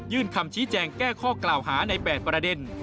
คำชี้แจงแก้ข้อกล่าวหาใน๘ประเด็น